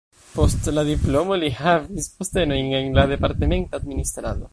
Post la diplomo li havis postenojn en la departementa administrado.